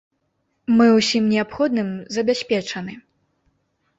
Мы ўсім неабходным забяспечаны.